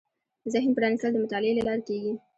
ذهن پرانېستل د مطالعې له لارې کېږي